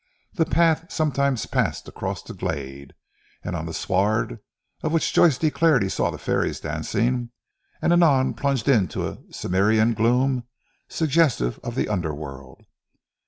The path sometimes passed across a glade, on the sward of which Joyce declared he saw the fairies dancing: and anon plunged into a cimmerian gloom suggestive of the underworld.